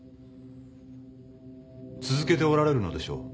続けておられるのでしょう？